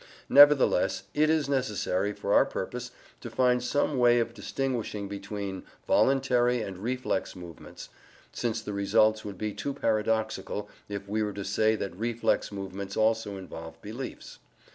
Nevertheless, it is necessary for our purpose to find some way of distinguishing between voluntary and reflex movements, since the results would be too paradoxical, if we were to say that reflex movements also involve beliefs.)